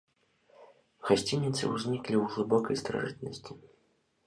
Гасцініцы ўзніклі ў глыбокай старажытнасці.